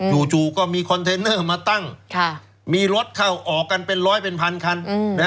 จู่ก็มีคอนเทนเนอร์มาตั้งมีรถเข้าออกกันเป็นร้อยเป็นพันคัน